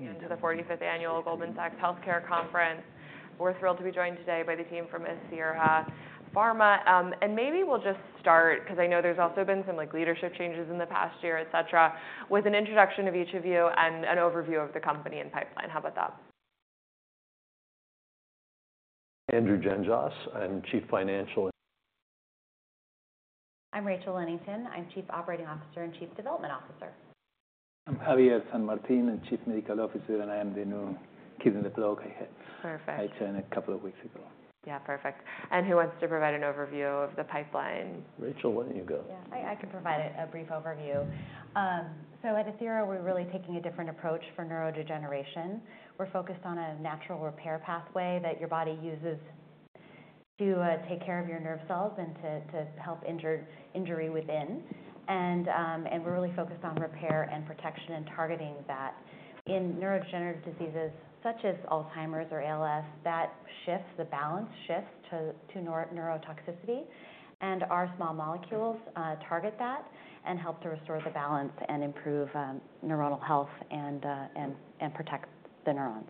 Welcome again to the 45th Annual Goldman Sachs Healthcare Conference. We're thrilled to be joined today by the team from Athira Pharma. And maybe we'll just start, 'cause I know there's also been some, like, leadership changes in the past year, etc., with an introduction of each of you and an overview of the company and pipeline. How about that? Andrew Gengos, I'm Chief Financial. I'm Rachel Lenington. I'm Chief Operating Officer and Chief Development Officer. I'm Javier San Martin, Chief Medical Officer, and I am the new kid on the block. I had. Perfect. I joined a couple of weeks ago. Yeah, perfect. Who wants to provide an overview of the pipeline? Rachel, why don't you go? Yeah, I can provide a brief overview. So at Athira, we're really taking a different approach for neurodegeneration. We're focused on a natural repair pathway that your body uses to take care of your nerve cells and to help injury within. And we're really focused on repair and protection and targeting that. In neurodegenerative diseases such as Alzheimer's or ALS, that shifts, the balance shifts to neurotoxicity, and our small molecules target that and help to restore the balance and improve neuronal health and protect the neurons.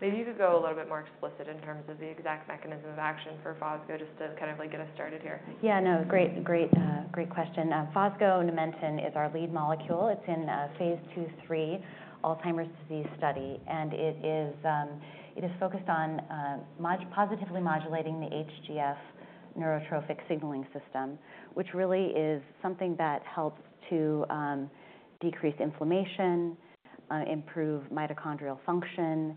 Maybe you could go a little bit more explicit in terms of the exact mechanism of action for Fosgonimeton, just to kind of, like, get us started here. Yeah, no. Great, great, great question. Fosgonimeton is our lead molecule. It's in phase II, III Alzheimer's disease study, and it is focused on positively modulating the HGF neurotrophic signaling system, which really is something that helps to decrease inflammation, improve mitochondrial function, and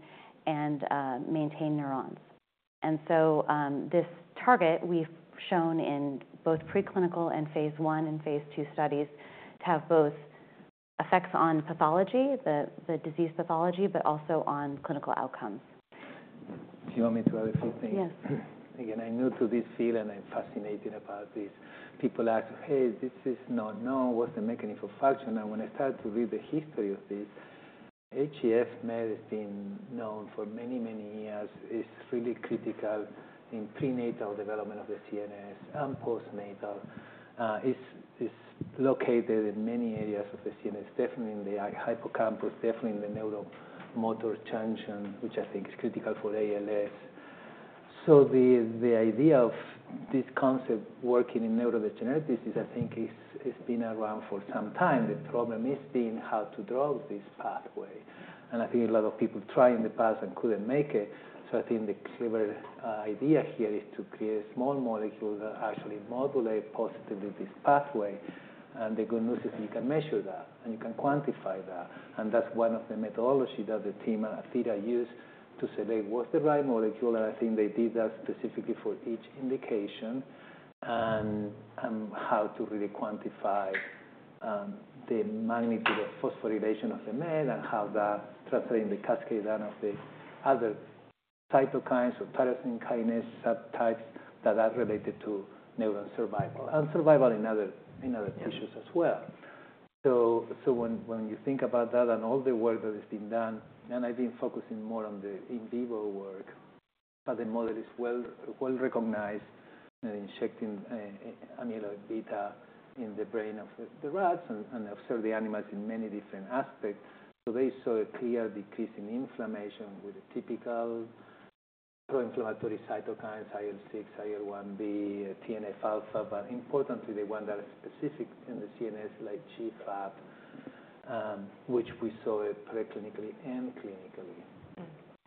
maintain neurons. And so, this target we've shown in both preclinical and phase I and phase II studies, to have both effects on pathology, the disease pathology, but also on clinical outcomes. Do you want me to add a few things? Yes. Again, I'm new to this field, and I'm fascinated about this. People ask, "Hey, this is not known. What's the mechanism of function?" And when I started to read the history of this, HGF may have been known for many, many years. It's really critical in prenatal development of the CNS and postnatal. It's located in many areas of the CNS, definitely in the hippocampus, definitely in the neuromuscular junction, which I think is critical for ALS. So the idea of this concept working in neurodegenerative disease, I think is been around for some time. The problem is being how to drug this pathway, and I think a lot of people tried in the past and couldn't make it. So I think the clever idea here is to create a small molecule that actually modulate positively this pathway, and the good news is you can measure that, and you can quantify that. And that's one of the methodology that the team at Athira used to say that was the right molecule, and I think they did that specifically for each indication, and how to really quantify the magnitude of phosphorylation of the MET and how that translate in the cascade down of the other cytokines or tyrosine kinase subtypes that are related to neuron survival, and survival in other tissues as well. So when you think about that and all the work that has been done, and I've been focusing more on the in vivo work, but the model is well recognized, and injecting amyloid beta in the brain of the rats and observe the animals in many different aspects. So they saw a clear decrease in inflammation with a typical pro-inflammatory cytokines, IL-6, IL-1B, TNF-alpha, but importantly, the one that is specific in the CNS, like GFAP, which we saw it preclinically and clinically.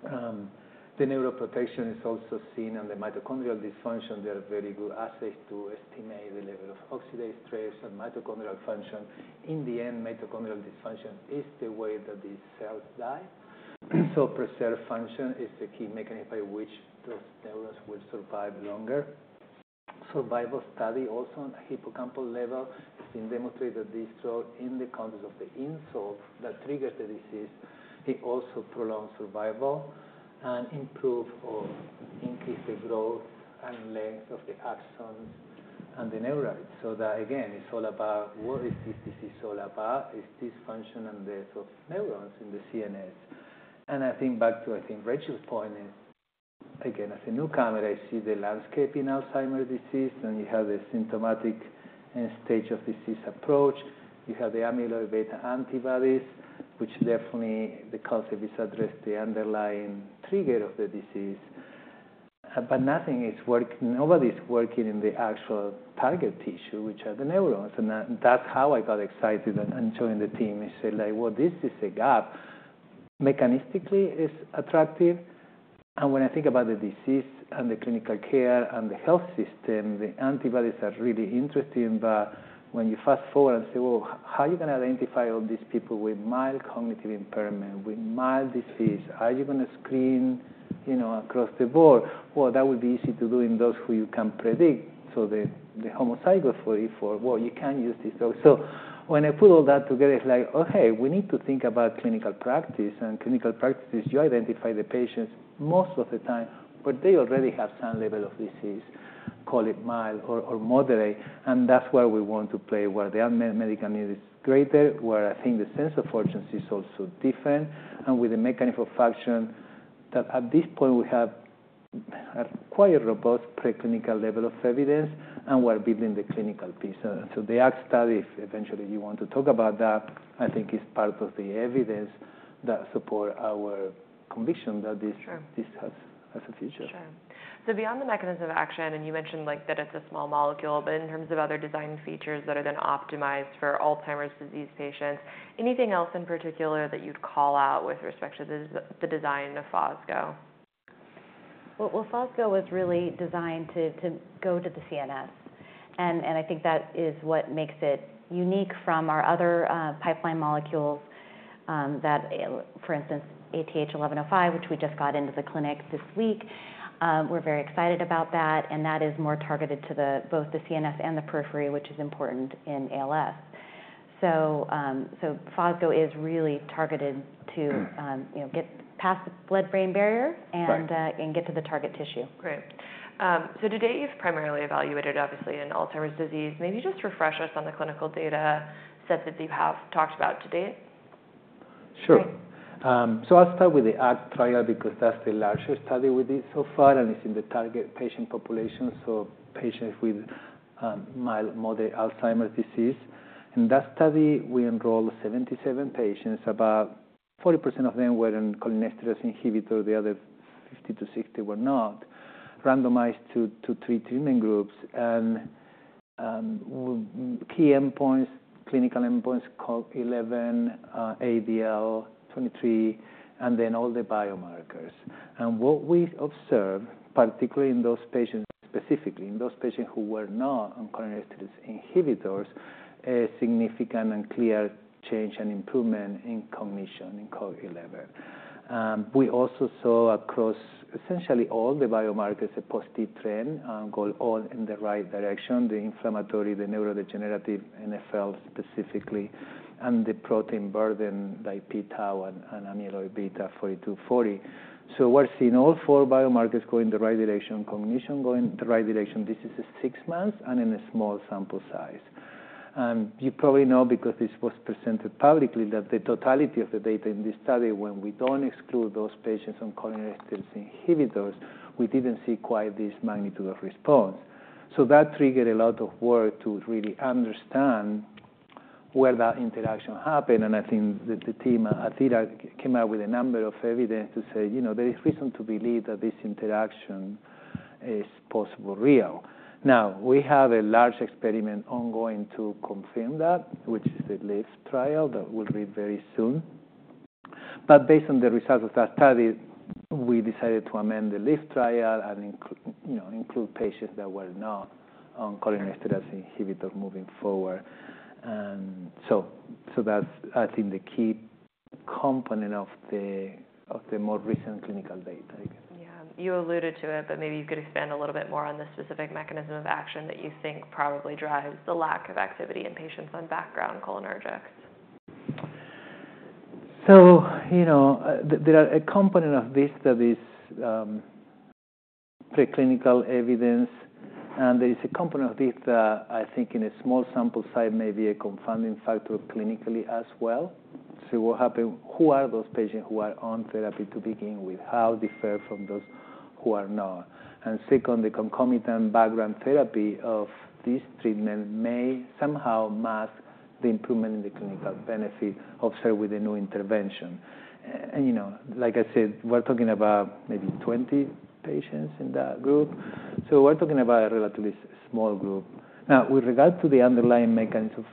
Mm. The neuroprotection is also seen on the mitochondrial dysfunction. There are very good assays to estimate the level of oxidative stress and mitochondrial function. In the end, mitochondrial dysfunction is the way that these cells die. So preserve function is the key mechanism by which those neurons will survive longer. Survival study, also on the hippocampal level, it's been demonstrated that this drug, in the context of the insult that triggers the disease, it also prolongs survival and improve or increase the growth and length of the axons and the neurites. So that, again, it's all about what is this disease all about? It's dysfunction and death of neurons in the CNS. And I think back to, I think, Rachel's point is, again, as a newcomer, I see the landscape in Alzheimer's disease, and you have the symptomatic and stage of disease approach. You have the amyloid beta antibodies, which definitely the concept is addressed, the underlying trigger of the disease. But nothing is working, nobody's working in the actual target tissue, which are the neurons, and that's how I got excited and joined the team and said, like: "Well, this is a gap." Mechanistically, it's attractive, and when I think about the disease and the clinical care and the health system, the antibodies are really interesting. But when you fast-forward and say: "Well, how are you gonna identify all these people with mild cognitive impairment, with mild disease? How are you gonna screen, you know, across the board? Well, that would be easy to do in those who you can predict. So the homozygote for you, for. Well, you can use this." So when I put all that together, it's like: Okay, we need to think about clinical practice. And clinical practices, you identify the patients most of the time, but they already have some level of disease, call it mild or moderate, and that's where we want to play, where the unmet medical need is greater, where I think the sense of urgency is also different, and with the mechanism of function that at this point, we have quite a robust preclinical level of evidence, and we're building the clinical piece. So the ACT study, if eventually you want to talk about that, I think is part of the evidence that support our conviction that this. Sure. This has a future. Sure. So beyond the mechanism of action, and you mentioned like that it's a small molecule, but in terms of other design features that are then optimized for Alzheimer's disease patients, anything else in particular that you'd call out with respect to this, the design of Fosgo? Well, well, Fosgo was really designed to go to the CNS, and I think that is what makes it unique from our other pipeline molecules. That, for instance, ATH-1105, which we just got into the clinic this week. We're very excited about that, and that is more targeted to both the CNS and the periphery, which is important in ALS. So, Fosgo is really targeted to, you know, get past the blood-brain barrier- Right. And get to the target tissue. Great. So to date, you've primarily evaluated, obviously, in Alzheimer's disease. Maybe just refresh us on the clinical data sets that you have talked about to date. Sure. Okay. So I'll start with the ACT trial because that's the largest study we did so far, and it's in the target patient population, so patients with mild to moderate Alzheimer's disease. In that study, we enrolled 77 patients. About 40% of them were on cholinesterase inhibitor, the other 50-60 were not, randomized to three treatment groups. Key endpoints, clinical endpoints, Cog11, ADL-23, and then all the biomarkers. And what we observed, particularly in those patients, specifically in those patients who were not on cholinesterase inhibitors, a significant and clear change and improvement in cognition, in Cog11. And we also saw across essentially all the biomarkers, a positive trend all in the right direction, the inflammatory, the neurodegenerative, NfL specifically, and the protein burden, like p-Tau and amyloid beta 42/40. So we're seeing all four biomarkers going in the right direction, cognition going in the right direction. This is six months and in a small sample size. You probably know, because this was presented publicly, that the totality of the data in this study, when we don't exclude those patients on cholinesterase inhibitors, we didn't see quite this magnitude of response. So that triggered a lot of work to really understand where that interaction happened, and I think that the team at Athira came out with a number of evidence to say, "You know, there is reason to believe that this interaction is possibly real." Now, we have a large experiment ongoing to confirm that, which is the LIFT trial. That will be very soon. Based on the results of that study, we decided to amend the LIFT trial and, you know, include patients that were not on cholinesterase inhibitors moving forward. And so that's, I think, the key component of the more recent clinical data, I guess. Yeah. You alluded to it, but maybe you could expand a little bit more on the specific mechanism of action that you think probably drives the lack of activity in patients on background cholinergics? So, you know, there are a component of this that is, preclinical evidence, and there is a component of this that I think in a small sample size, may be a confounding factor clinically as well. So what happened? Who are those patients who are on therapy to begin with? How differ from those who are not? And second, the concomitant background therapy of this treatment may somehow mask the improvement in the clinical benefit observed with a new intervention. And, you know, like I said, we're talking about maybe 20 patients in that group, so we're talking about a relatively small group. Now, with regard to the underlying mechanism,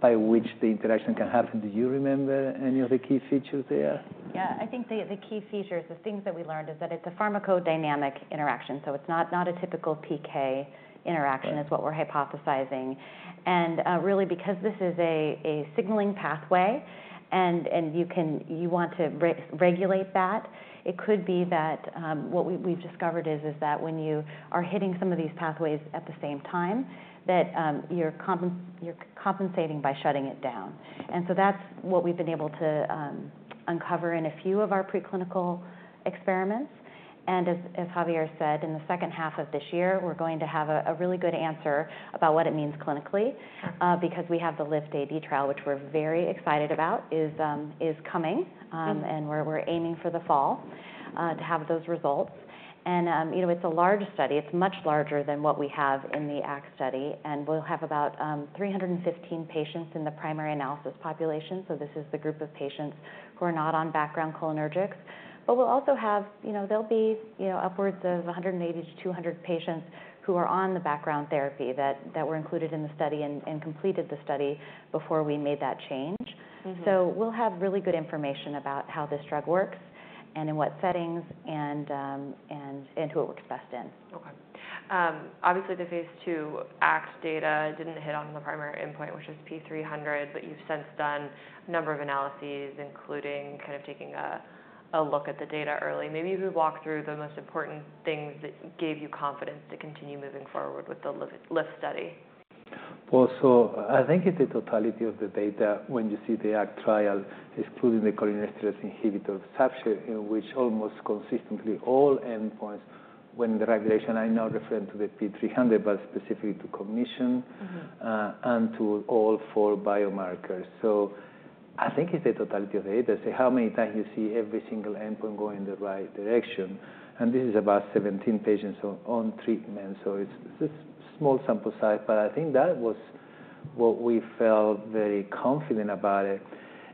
by which the interaction can happen, do you remember any of the key features there? Yeah. I think the key features, the things that we learned, is that it's a pharmacodynamic interaction, so it's not a typical PK interaction. Right. is what we're hypothesizing. And really, because this is a signaling pathway and you want to re-regulate that, it could be that what we've discovered is that when you are hitting some of these pathways at the same time, that you're compensating by shutting it down. And so that's what we've been able to uncover in a few of our preclinical experiments. And as Javier said, in the second half of this year, we're going to have a really good answer about what it means clinically, because we have the LIFT-AD trial, which we're very excited about, is coming. Mm-hmm. And we're aiming for the fall to have those results. And you know, it's a large study. It's much larger than what we have in the ACT study, and we'll have about 315 patients in the primary analysis population. So this is the group of patients who are not on background cholinergics. But we'll also have. You know, there'll be you know, upwards of 180 to 200 patients who are on the background therapy that were included in the study and completed the study before we made that change. Mm-hmm. So we'll have really good information about how this drug works and in what settings, and who it works best in. Okay. Obviously, the phase II ACT data didn't hit on the primary endpoint, which is P300, but you've since done a number of analyses, including kind of taking a look at the data early. Maybe if you walk through the most important things that gave you confidence to continue moving forward with the LIFT, LIFT study. Well, so I think it's the totality of the data when you see the ACT trial, including the cholinesterase inhibitor subset, in which almost consistently all endpoints when the regulation, I'm now referring to the P300, but specifically to cognition, and to all four biomarkers. So I think it's a totality of data. Say, how many times you see every single endpoint going in the right direction, and this is about 17 patients on treatment, so it's a small sample size. But I think that was what we felt very confident about it.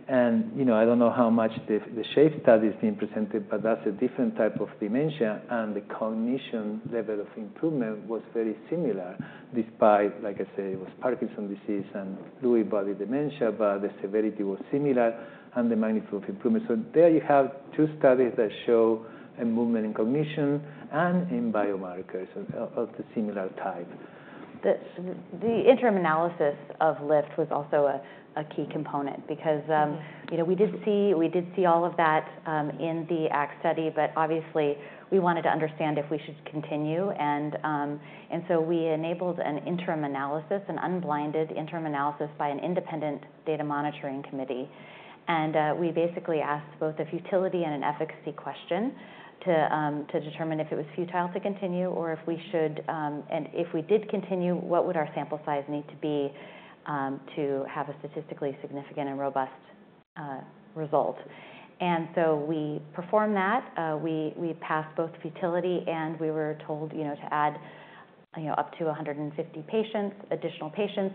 And, you know, I don't know how much the SHAPE study is being presented, but that's a different type of dementia, and the cognition level of improvement was very similar despite, like I said, it was Parkinson's disease and Lewy body dementia, but the severity was similar and the magnitude of improvement. There you have two studies that show a movement in cognition and in biomarkers of the similar type. The interim analysis of LIFT was also a key component because, you know, we did see all of that in the ACT study, but obviously we wanted to understand if we should continue. And so we enabled an interim analysis, an unblinded interim analysis by an independent data monitoring committee. And we basically asked both a futility and an efficacy question to determine if it was futile to continue or if we should. And if we did continue, what would our sample size need to be to have a statistically significant and robust result? And so we performed that. We passed both futility, and we were told, you know, to add, you know, up to 150 patients, additional patients,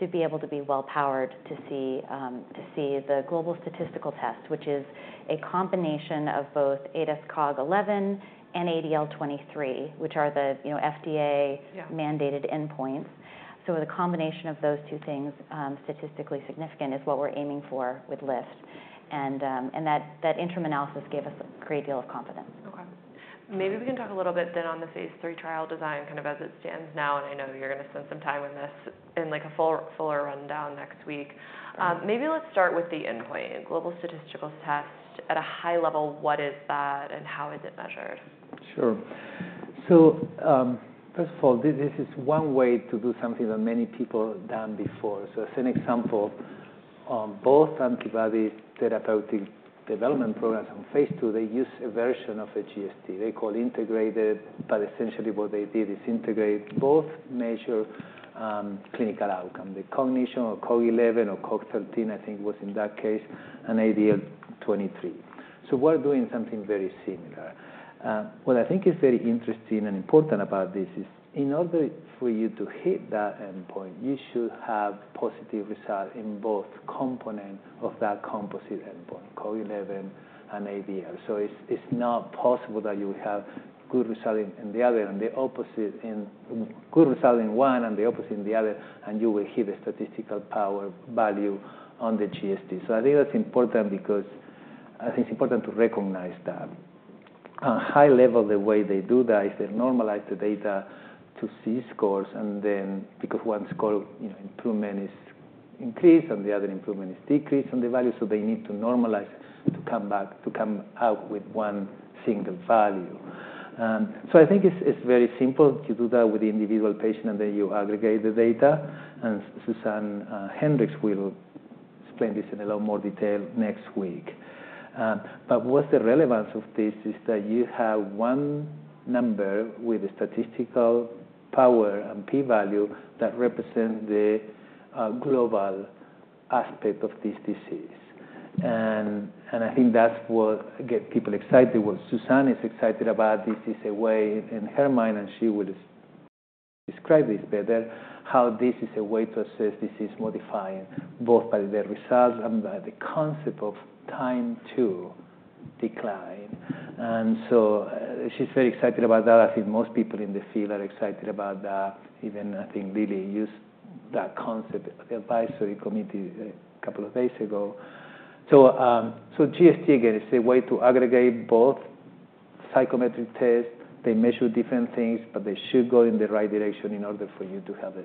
to be able to be well-powered to see the Global Statistical Test, which is a combination of both ADAS-Cog11 and ADCS-ADL23, which are the, you know, FDA. Yeah Mandated endpoints. So the combination of those two things, statistically significant, is what we're aiming for with LIFT. And that interim analysis gave us a great deal of confidence. Okay. Maybe we can talk a little bit then on the phase III trial design, kind of as it stands now, and I know you're gonna spend some time on this in, like, a fuller rundown next week. Maybe let's start with the endpoint. Global Statistical Test. At a high level, what is that, and how is it measured? Sure. So, first of all, this is one way to do something that many people have done before. So as an example, on both antibody therapeutic development programs on phase II, they use a version of a GST. They call it integrated, but essentially what they did is integrate both major clinical outcome, the cognition or Cog11 or Cog13, I think, was in that case, and ADL23. So we're doing something very similar. What I think is very interesting and important about this is, in order for you to hit that endpoint, you should have positive results in both components of that composite endpoint, Cog 11 and ADL. So it's not possible that you will have good result in one and the opposite in the other, and you will hit a statistical power value on the GST. So I think that's important because I think it's important to recognize that. On a high level, the way they do that is they normalize the data to Z-Scores, and then, because one score, you know, improvement is increased and the other improvement is decreased on the value, so they need to normalize to come back, to come out with one single value. So I think it's very simple. You do that with the individual patient, and then you aggregate the data, and Suzanne Hendrix will explain this in a lot more detail next week. But what's the relevance of this is that you have one number with a statistical power and p value that represent the global aspect of this disease. And I think that's what get people excited. What Suzanne is excited about this is a way, in her mind, and she would describe this better, how this is a way to assess disease modifying both by the results and by the concept of time to decline. And so, she's very excited about that. I think most people in the field are excited about that. Even, I think, Lilly used that concept at the advisory committee a couple of days ago. So, so GST, again, is a way to aggregate both psychometric tests. They measure different things, but they should go in the right direction in order for you to have a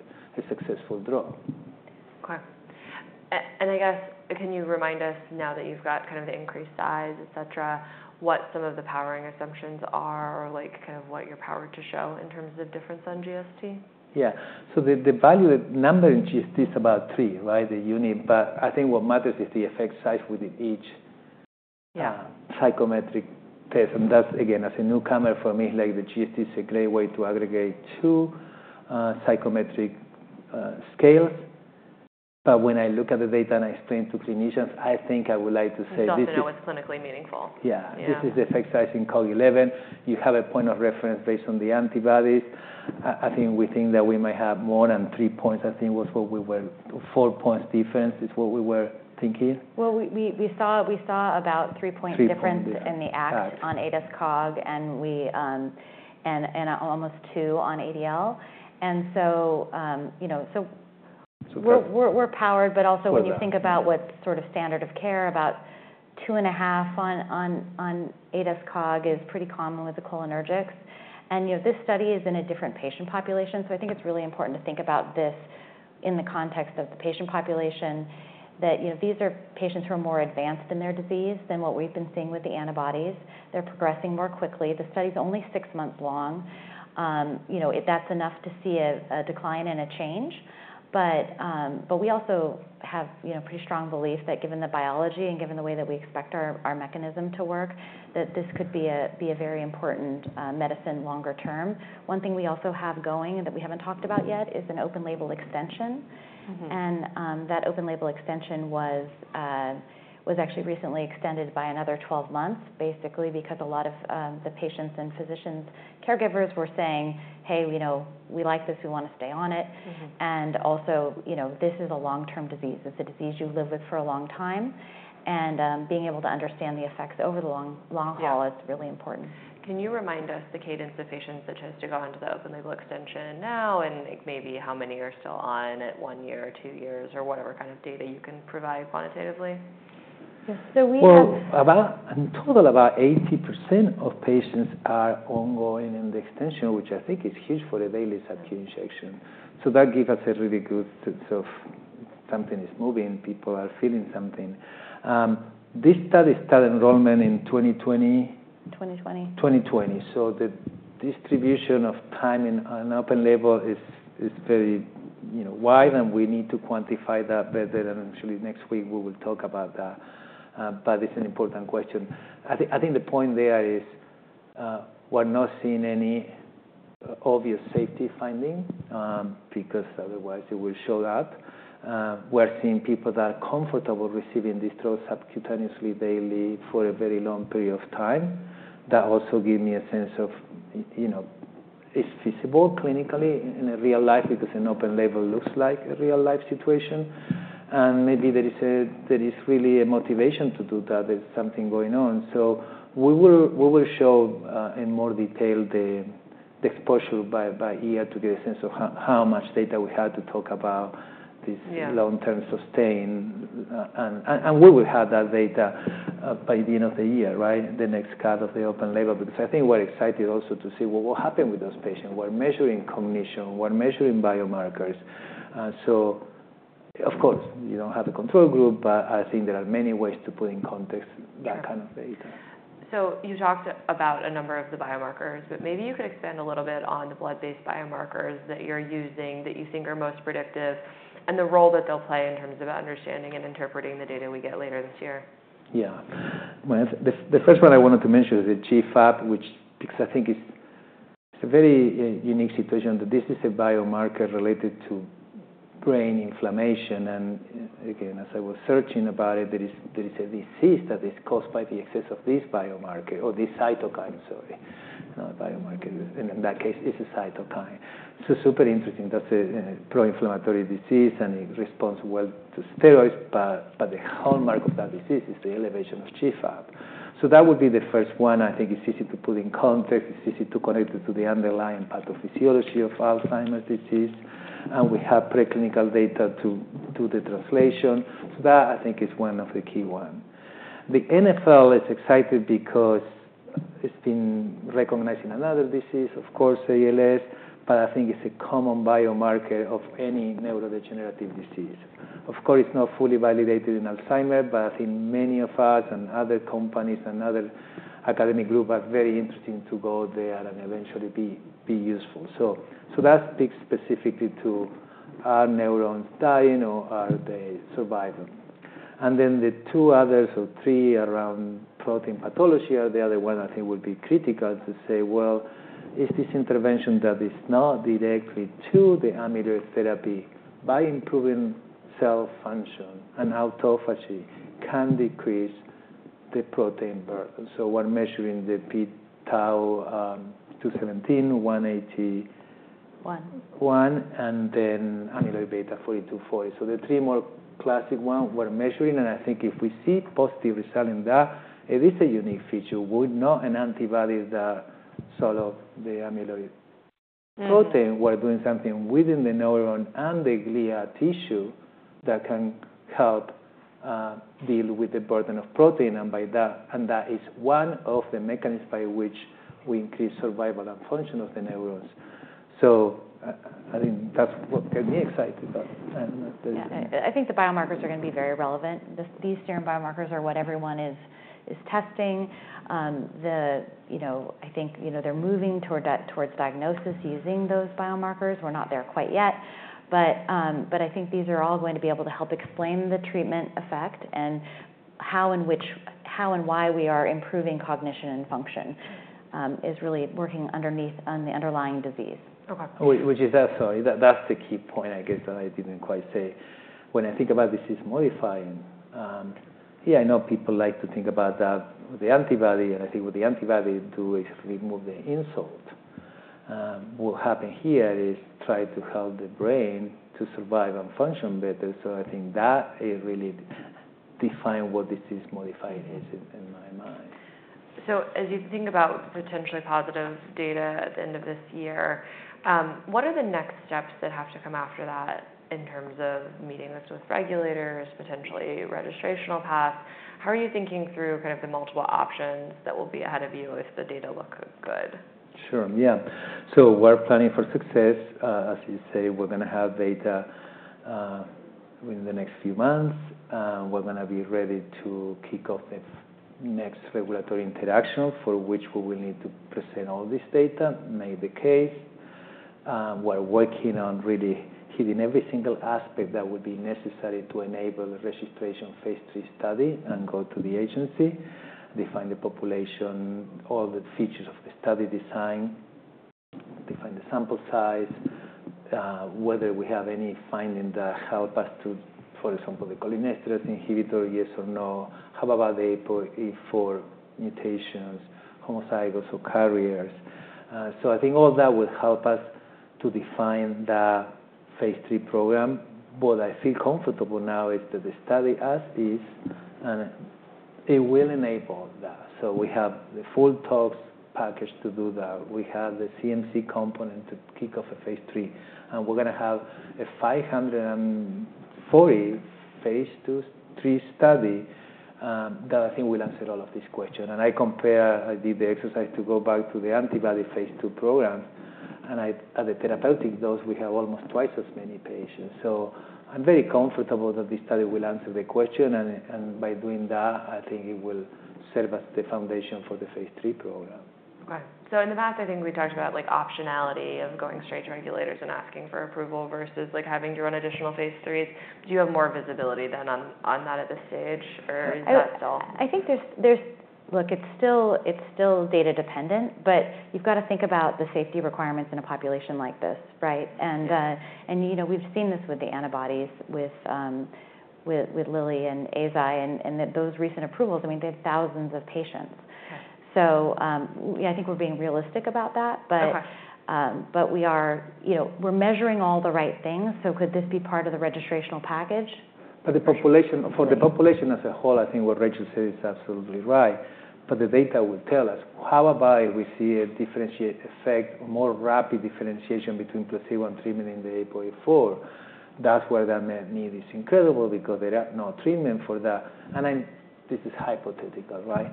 successful drug. Okay. I guess, can you remind us now that you've got kind of the increased size, et cetera, what some of the powering assumptions are or, like, kind of what you're powered to show in terms of difference on GST? Yeah. So the value number in GST is about three, right? The unit. But I think what matters is the effect size within each. Yeah Psychometric test, and that's, again, as a newcomer for me, like, the GST is a great way to aggregate 2 psychometric scales. But when I look at the data and I explain to clinicians, I think I would like to say this is. You still don't know what's clinically meaningful. Yeah. Yeah. This is the effect size in Cog11. You have a point of reference based on the antibodies. I think we think that we may have more than three points, I think, was what we were. Four points difference is what we were thinking. Well, we saw about three-point difference. Three points, yeah. In the ACT on ADAS-Cog, and we almost two on ADL. So, you know, so. So. We're powered, but also. For that When you think about what sort of standard of care, about 2.5 on ADAS-Cog is pretty common with the cholinergics. And, you know, this study is in a different patient population, so I think it's really important to think about this in the context of the patient population. That, you know, these are patients who are more advanced in their disease than what we've been seeing with the antibodies. They're progressing more quickly. The study's only 6 months long. You know, if that's enough to see a decline and a change. But we also have, you know, pretty strong belief that given the biology and given the way that we expect our mechanism to work, that this could be a very important medicine longer term. One thing we also have going, that we haven't talked about yet, is an open label extension. Mm-hmm. That open label extension was actually recently extended by another 12 months, basically, because a lot of the patients and physicians, caregivers were saying, "Hey, you know, we like this. We wanna stay on it. Mm-hmm. And also, you know, this is a long-term disease. It's a disease you live with for a long time, and, being able to understand the effects over the long, long haul. Yeah Is really important. Can you remind us the cadence of patients that chose to go onto the open label extension now, and, like, maybe how many are still on at one year or two years, or whatever kind of data you can provide quantitatively? Yes. So we have. Well, about in total, about 80% of patients are ongoing in the extension, which I think is huge for a daily subcutaneous injection. So that give us a really good sense of something is moving, people are feeling something. This study started enrollment in 2020? 2020. 2020. So the distribution of time in, on open label is very, you know, wide, and we need to quantify that better. And actually, next week, we will talk about that, but it's an important question. I think the point there is, we're not seeing any obvious safety finding, because otherwise, it will show up. We're seeing people that are comfortable receiving these drugs subcutaneously daily for a very long period of time. That also give me a sense of, you know, it's feasible clinically in a real life, because an open label looks like a real life situation. And maybe there is there is really a motivation to do that. There's something going on. So we will show in more detail the exposure by year to get a sense of how much data we have to talk about this. Yeah Long-term sustain. And we will have that data by the end of the year, right? The next cut of the open label. Because I think we're excited also to see what will happen with those patients. We're measuring cognition, we're measuring biomarkers. So of course, you don't have the control group, but I think there are many ways to put in context. Yeah That kind of data. You talked about a number of the biomarkers, but maybe you could expand a little bit on the blood-based biomarkers that you're using, that you think are most predictive, and the role that they'll play in terms of understanding and interpreting the data we get later this year? Yeah. Well, the first one I wanted to mention is the GFAP, which, because I think it's a very unique situation, that this is a biomarker related to brain inflammation. And again, as I was searching about it, there is a disease that is caused by the excess of this biomarker or this cytokine, sorry. Not a biomarker, in that case, it's a cytokine. So super interesting. That's a pro-inflammatory disease, and it responds well to steroids, but the hallmark of that disease is the elevation of GFAP. So that would be the first one I think is easy to put in context. It's easy to connect it to the underlying pathophysiology of Alzheimer's disease, and we have preclinical data to the translation. So that, I think, is one of the key one. The NfL is exciting because it's been recognized in another disease, of course, ALS, but I think it's a common biomarker of any neurodegenerative disease. Of course, it's not fully validated in Alzheimer's, but I think many of us and other companies and other academic group are very interesting to go there and eventually be useful. So that speaks specifically to, are neurons dying or are they surviving? And then the two others or three around protein pathology, are the other one I think would be critical to say, well, is this intervention that is not directly to the amyloid therapy by improving cell function and autophagy can decrease the protein burden? So we're measuring the p-Tau217, 181. One. One, and then amyloid beta 42/40. So the three more classic one we're measuring, and I think if we see positive result in that, it is a unique feature, with not an antibody that sort of the amyloid protein. Mm. We're doing something within the neuron and the glia tissue that can help deal with the burden of protein, and by that. And that is one of the mechanisms by which we increase survival and function of the neurons. So I, I think that's what get me excited about, and the. Yeah. I think the biomarkers are gonna be very relevant. These serum biomarkers are what everyone is testing. You know, I think, you know, they're moving towards diagnosis using those biomarkers. We're not there quite yet, but, but I think these are all going to be able to help explain the treatment effect and how and why we are improving cognition and function is really working underneath on the underlying disease. Okay. Sorry, that's the key point, I guess, that I didn't quite say. When I think about disease-modifying, yeah, I know people like to think about that with the antibody, and I think what the antibody do is remove the insult. What happen here is try to help the brain to survive and function better. So I think that it really define what disease modifying is, in my mind. So as you think about potentially positive data at the end of this year, what are the next steps that have to come after that in terms of meeting this with regulators, potentially registrational path? How are you thinking through kind of the multiple options that will be ahead of you if the data look good? Sure. Yeah. So we're planning for success. As you say, we're gonna have data within the next few months. We're gonna be ready to kick off the next regulatory interaction, for which we will need to present all this data, make the case. We're working on really hitting every single aspect that would be necessary to enable the registration phase III study and go to the agency, define the population, all the features of the study design, define the sample size, whether we have any finding that help us to, for example, the cholinesterase inhibitor, yes or no? How about the APOE E4 mutations, homozygous or carriers? So I think all that will help us to define the phase III program. What I feel comfortable now is that the study as is, and it will enable that. So we have the full tox package to do that. We have the CMC component to kick off a phase III, and we're gonna have a 540 phase II, III study that I think will answer all of these questions. And I compare, I did the exercise to go back to the antibody phase II program, and as a therapeutic dose, we have almost twice as many patients. So I'm very comfortable that this study will answer the question, and by doing that, I think it will serve as the foundation for the phase III program. Okay. So in the past, I think we talked about, like, optionality of going straight to regulators and asking for approval versus, like, having to run additional phase IIIs. Do you have more visibility than on, on that at this stage, or is that still? I think there's... Look, it's still data dependent, but you've got to think about the safety requirements in a population like this, right? Yeah. And, you know, we've seen this with the antibodies with Lilly and Eisai, and those recent approvals, I mean, they have thousands of patients. Okay. Yeah, I think we're being realistic about that, but. Okay. But we are, you know, we're measuring all the right things, so could this be part of the registrational package? But the population- for the population as a whole, I think what Rachel said is absolutely right, but the data will tell us, how about if we see a differentiate effect, more rapid differentiation between placebo and treatment in the APOE4? That's where the net need is incredible because there are no treatment for that. And I'm- this is hypothetical, right?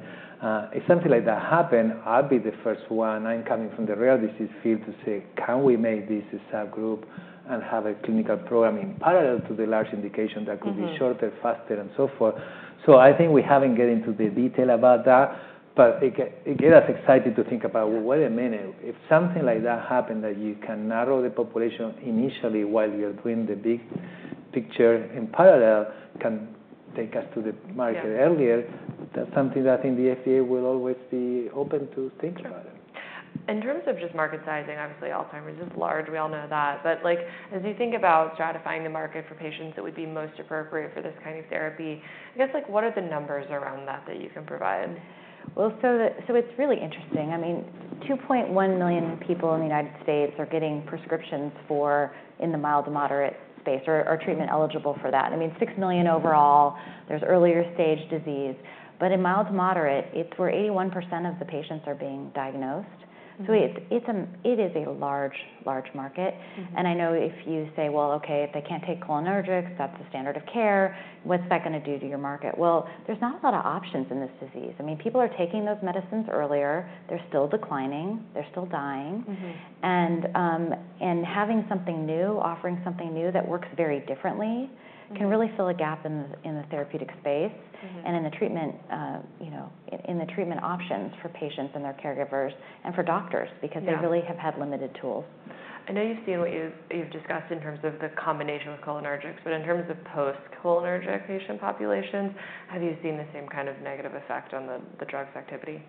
If something like that happened, I'll be the first one, I'm coming from the rare disease field, to say: Can we make this a subgroup and have a clinical program in parallel to the large indication. Mm-hmm That could be shorter, faster, and so forth? So I think we haven't gotten into the details about that, but it gets us excited to think about, well, wait a minute, if something like that happened, that you can narrow the population initially while you're doing the big picture in parallel, can take us to the market earlier- Yeah That's something that I think the FDA will always be open to think about it. Sure. In terms of just market sizing, obviously, Alzheimer's is large, we all know that. But, like, as you think about stratifying the market for patients that would be most appropriate for this kind of therapy, I guess, like, what are the numbers around that, that you can provide? Well, so it's really interesting. I mean, 2.1 million people in the United States are getting prescriptions for in the mild to moderate space or, or treatment eligible for that. I mean, six million overall, there's earlier stage disease. But in mild to moderate, it's where 81% of the patients are being diagnosed. Mm-hmm. It is a large, large market. Mm-hmm. I know if you say, "Well, okay, if they can't take cholinergics, that's the standard of care. What's that gonna do to your market?" Well, there's not a lot of options in this disease. I mean, people are taking those medicines earlier. They're still declining. They're still dying. Mm-hmm. Having something new, offering something new that works very differently. Mm-hmm Can really fill a gap in the, in the therapeutic space. Mm-hmm And in the treatment, you know, in the treatment options for patients and their caregivers and for doctors. Yeah Because they really have had limited tools. I know you've seen what you've discussed in terms of the combination with cholinergics, but in terms of post-cholinergic patient populations, have you seen the same kind of negative effect on the drug's activity?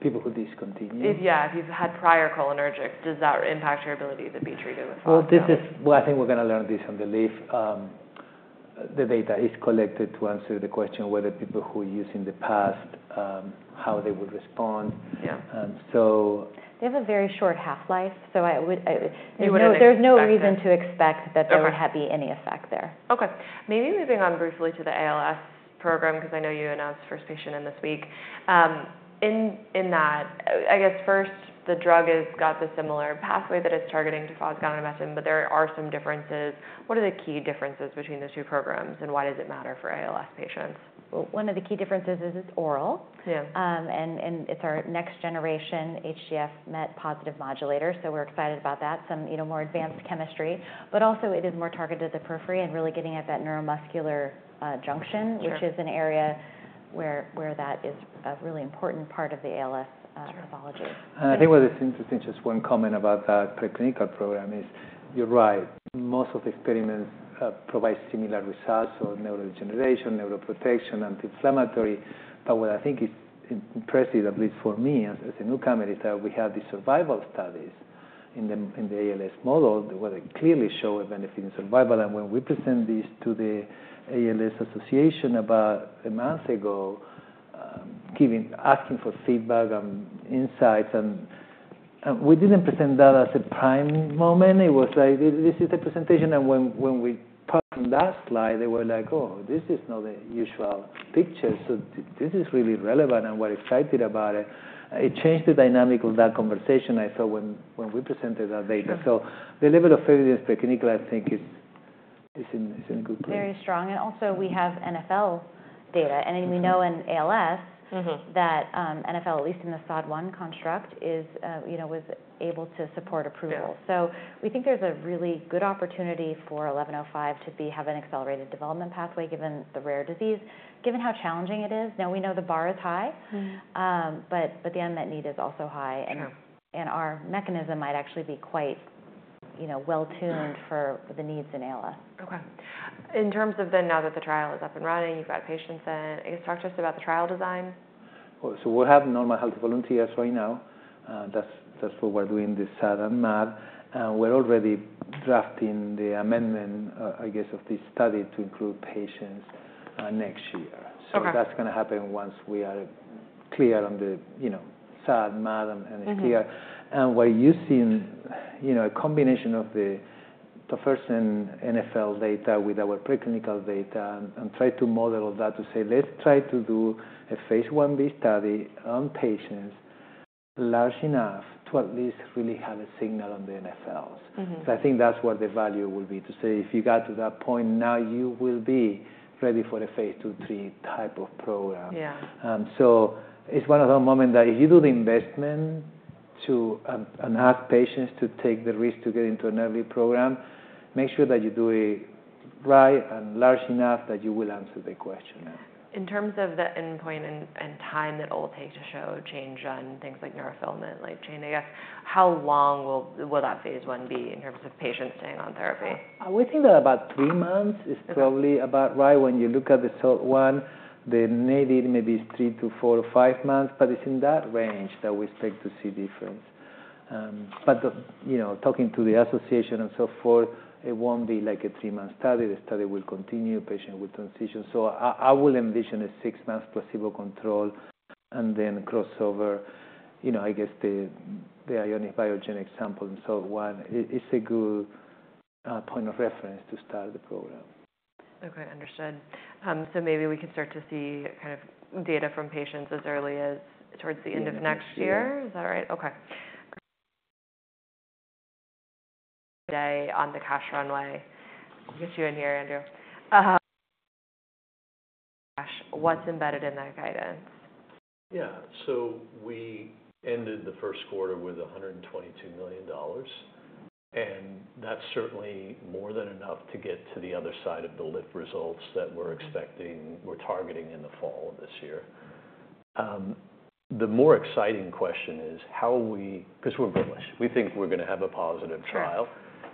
People who discontinue? Yeah, if you've had prior cholinergics, does that impact your ability to be treated with Fosgonimeton? Well, I think we're gonna learn this on the LIFT. The data is collected to answer the question whether people who used in the past, how they would respond. Yeah. And so. They have a very short half-life, so I would. You would expect that. There's no reason to expect that there- Okay Would be any effect there. Okay. Maybe moving on briefly to the ALS program, because I know you announced first patient in this week. In that, I guess, first, the drug has got the similar pathway that it's targeting to fosgonimeton, but there are some differences. What are the key differences between the two programs, and why does it matter for ALS patients? Well, one of the key differences is it's oral. Yeah. And it's our next generation HGF/MET positive modulator, so we're excited about that. Some, you know, more advanced chemistry, but also it is more targeted to periphery and really getting at that neuromuscular junction. Sure Which is an area where that is a really important part of the ALS pathology. Sure. And I think what is interesting, just one comment about that preclinical program is, you're right. Most of the experiments provide similar results or neurodegeneration, neuroprotection, anti-inflammatory. But what I think is impressive, at least for me, as a newcomer, is that we have the survival studies in the ALS model, where they clearly show a benefit in survival. And when we present this to the ALS Association about a month ago, asking for feedback and insights, and we didn't present that as a prime moment. It was like, this, this is the presentation. And when we passed on that slide, they were like: "Oh, this is not the usual picture, so this is really relevant, and we're excited about it." It changed the dynamic of that conversation, I thought, when we presented that data. Yeah. The level of evidence technically, I think, is. It's in good place. Very strong, and also we have NfL data. Yeah. And then we know in ALS. Mm-hmm That, NfL, at least in the SOD1 construct, is, you know, was able to support approval. Yeah. We think there's a really good opportunity for ATH-1105 to be, have an accelerated development pathway, given the rare disease, given how challenging it is. Now, we know the bar is high. Mm-hmm But the unmet need is also high. Sure. Our mechanism might actually be quite, you know, well-tuned. Right For the needs in ALS. Okay. In terms of then, now that the trial is up and running, you've got patients in, can you talk to us about the trial design? Well, so we have normal healthy volunteers right now, that's, that's what we're doing, the SAD and MAD. And we're already drafting the amendment, I guess, of this study to include patients next year. Okay. So that's gonna happen once we are clear on the, you know, SAD, MAD, and clear. Mm-hmm. We're using, you know, a combination of the NfL data with our preclinical data, and try to model that to say, "Let's try to do a phase I-B study on patients large enough to at least really have a signal on the NfLs. Mm-hmm. I think that's what the value will be, to say if you got to that point, now you will be ready for a phase II/3-type of program. Yeah. And so it's one of the moment that if you do the investment to, and ask patients to take the risk to get into an early program, make sure that you do it right and large enough that you will answer the question. Yeah. In terms of the endpoint and time that it will take to show a change on things like neurofilament, like change, I guess, how long will that phase one be in terms of patients staying on therapy? We think that about three months. Okay Is probably about right. When you look at the SOD1, then maybe, maybe it's three to four or five months, but it's in that range that we expect to see difference. But, you know, talking to the ALS Association and so forth, it won't be like a three-month study. The study will continue, patient will transition. So I, I will envision a six-month placebo control and then crossover, you know, I guess the Biogen/Ionis sample. And SOD1, it, it's a good point of reference to start the program. Okay, understood. So maybe we can start to see kind of data from patients as early as towards the end of next year? End of next year. Is that right? Okay. Great. Today, on the cash runway, I'll get you in here, Andrew. What's embedded in that guidance? Yeah. So we ended the first quarter with $122 million, and that's certainly more than enough to get to the other side of the LIFT results that we're expecting, we're targeting in the fall of this year. The more exciting question is, how we—'cause we're bullish. We think we're gonna have a positive trial.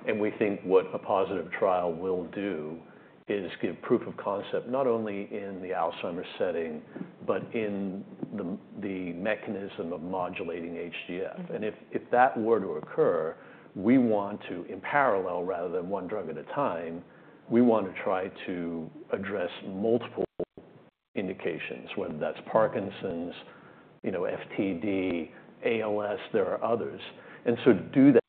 Sure. We think what a positive trial will do is give proof of concept, not only in the Alzheimer's setting, but in the mechanism of modulating HGF. Mm-hmm. If that were to occur, we want to, in parallel rather than one drug at a time, try to address multiple indications, whether that's Parkinson's, you know, FTD, ALS, there are others. So to do that,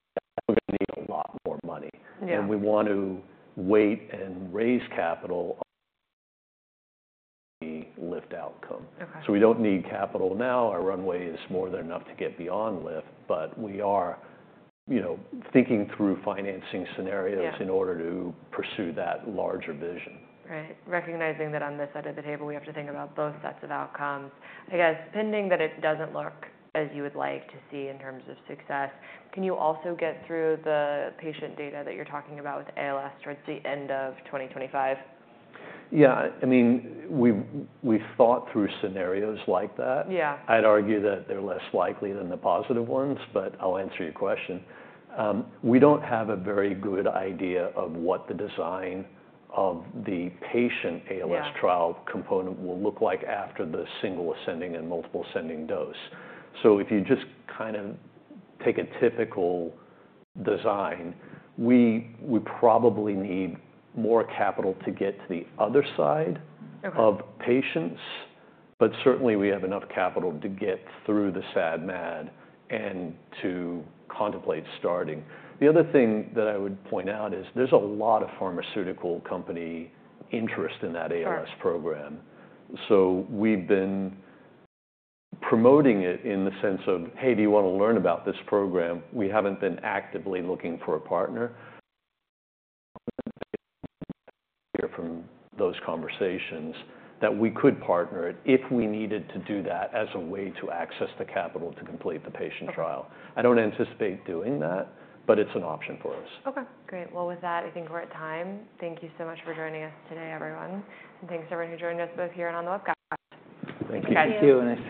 we're gonna need a lot more money. Yeah. We want to wait and raise capital on the LIFT outcome. Okay. So we don't need capital now. Our runway is more than enough to get beyond lift, but we are, you know, thinking through financing scenarios. Yeah In order to pursue that larger vision. Right. Recognizing that on this side of the table, we have to think about both sets of outcomes. I guess, pending that it doesn't look as you would like to see in terms of success, can you also get through the patient data that you're talking about with ALS towards the end of 2025? Yeah, I mean, we've thought through scenarios like that. Yeah. I'd argue that they're less likely than the positive ones, but I'll answer your question. We don't have a very good idea of what the design of the patient ALS. Yeah Trial component will look like after the single ascending and multiple ascending dose. So if you just kind of take a typical design, we would probably need more capital to get to the other side. Okay Of patients, but certainly, we have enough capital to get through the SAD, MAD, and to contemplate starting. The other thing that I would point out is, there's a lot of pharmaceutical company interest in that ALS program. Sure. So we've been promoting it in the sense of, "Hey, do you wanna learn about this program?" We haven't been actively looking for a partner. From those conversations, that we could partner it if we needed to do that as a way to access the capital to complete the patient trial. Okay. I don't anticipate doing that, but it's an option for us. Okay, great. Well, with that, I think we're at time. Thank you so much for joining us today, everyone. Thanks to everyone who joined us both here and on the webcast. Thank you. Thank you. Thank you, and I.